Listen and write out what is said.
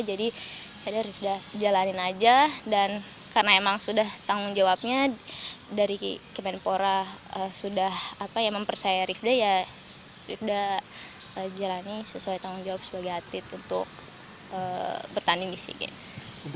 jadi rifdar jalanin aja dan karena emang sudah tanggung jawabnya dari kemenpora sudah mempercaya rifdar ya rifdar jalanin sesuai tanggung jawab sebagai atlet untuk bertanding di sea games